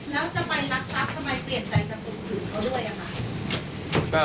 ก็เห็นเขาไว้ดีครับ